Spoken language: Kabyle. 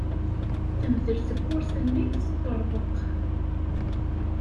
Temdel tewwurt-nni, teṭṭerḍeq.